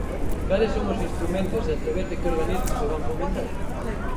¿Cales son os instrumentos e a través de que organismos se van fomentar?